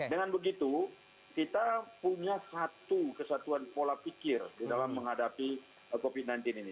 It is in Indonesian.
dengan begitu kita punya satu kesatuan pola pikir di dalam menghadapi covid sembilan belas ini